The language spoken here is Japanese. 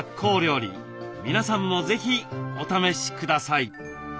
皆さんも是非お試しください。